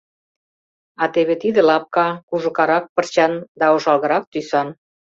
А теве тиде лапка, кужакарак пырчан да ошалгырак тӱсан.